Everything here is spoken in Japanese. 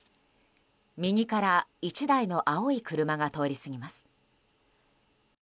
右から１台の青い車が通り過ぎます。